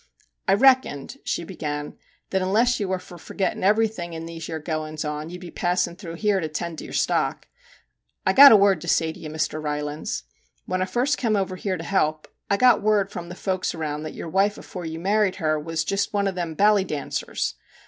* I reckoned,' she began, ' that unless you war for forgettin' everythin' in these yer goings on, ye'd be passin' through here to tend to your stock. I 've got a word to say to ye, Mr. Rylands. When I first kem over here to help, I got word from the folks around that your wife afore you married her was just one o' them bally dancers.